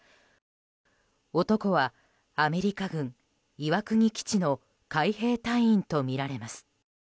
男は、アメリカ軍岩国基地の海兵隊員とみられます。